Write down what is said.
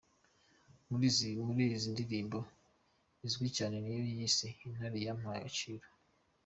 Muri izo ndirimbo, izwi cyane ni iyo yise “Intare yampaye agaciro”